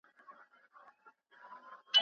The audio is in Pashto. هغه شاګرد ډېر لایق دی.